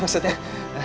iya saya yang teriak